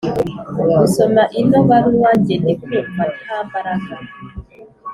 gusoma ino baruwa jye ndikumva ntambaraga